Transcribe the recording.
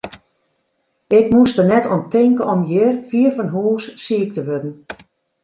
Ik moast der net oan tinke om hjir, fier fan hús, siik te wurden.